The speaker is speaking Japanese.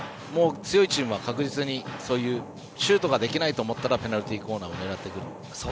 強いチームは確実にシュートができないと思ったらペナルティーコーナーを狙ってくる。